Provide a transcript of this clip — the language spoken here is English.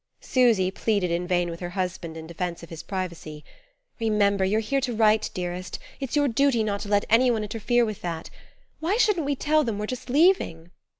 Susy pleaded in vain with her husband in defence of his privacy. "Remember you're here to write, dearest; it's your duty not to let any one interfere with that. Why shouldn't we tell them we're just leaving!"